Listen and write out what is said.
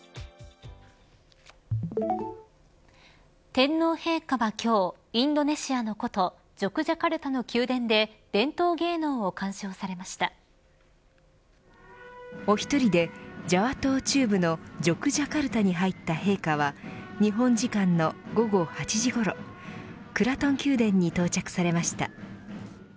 天皇陛下は今日インドネシアの古都ジョクジャカルタの宮殿でお一人でジャワ島中部のジョクジャカルタに入った陛下は日本時間の午後８時ごろクラトン宮殿に到着されました。